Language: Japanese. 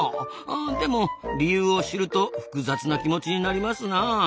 でも理由を知ると複雑な気持ちになりますなあ。